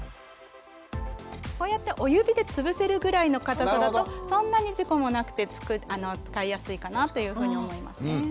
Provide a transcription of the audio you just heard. こうやってお指で潰せるぐらいの硬さだとそんなに事故もなくて使いやすいかなというふうに思いますね。